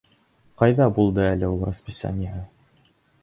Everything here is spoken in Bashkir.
Ҡайҙа булды әле ул расписаниеһы?